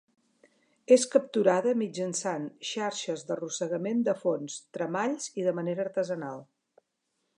És capturada mitjançant xarxes d'arrossegament de fons, tremalls i de manera artesanal.